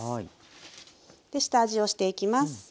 下味をしていきます。